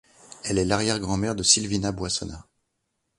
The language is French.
Elle est l'arrière-grand-mère de Sylvina Boissonnas.